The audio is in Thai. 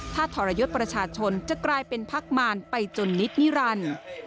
ถ้าทรยศประชาชนจะกลายเป็นพักมารไปจนนิดนิรันดิ์